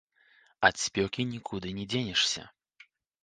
Ад спёкі нікуды не дзенешся.